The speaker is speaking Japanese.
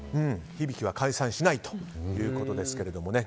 響きは解散しないということですけどね。